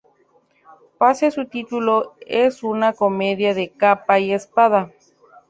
Pese a su título, es una comedia de capa y espada.